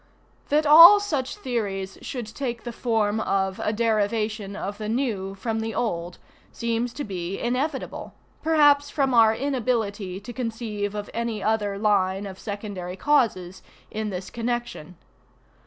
That all such theories should take the form of a derivation of the new from the old seems to be inevitable, perhaps from our inability to conceive of any other line of secondary causes, in this connection.